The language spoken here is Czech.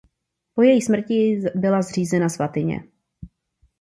Po její smrti jí byla zřízena svatyně.